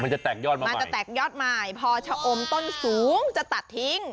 มันจะแตกยอดมาใหม่พอชะอมต้นสูงจะตัดทิ้ง